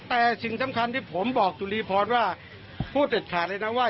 แต่สิ่งสำคัญที่ผมบอกจุรีพรว่าพูดเด็ดขาดเลยนะว่า